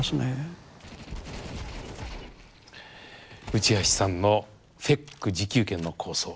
内橋さんのＦＥＣ自給圏の構想。